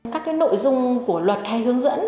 các cái nội dung của luật hay hướng dẫn